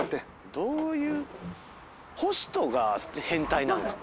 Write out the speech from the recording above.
どういう星人が変態なんか？